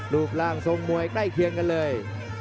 รูปร่างทรงมวยใกล้เคียงกันเลย